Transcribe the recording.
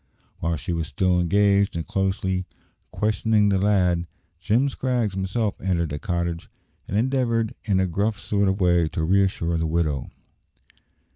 While she was still engaged in closely questioning the lad, Jim Scraggs himself entered the cottage, and endeavoured in a gruff sort of way to reassure the widow.